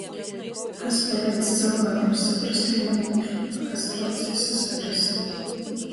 Kas paleidz cylvākim saprast vīnam ūtru? Kas traucej sasaprast?